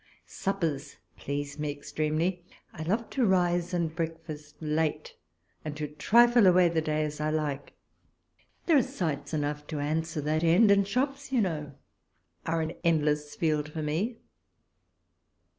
Suppers please me ex tremely ; I love to rise and breakfast late, and to trifle away the day as I like. There are sights enough to answer that end, and shops you know are an endless field for me.